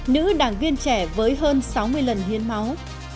nữ đảng viên trẻ với hơn sáu mươi lần hiến máu